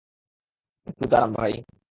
একটু দাঁড়ান ভাই।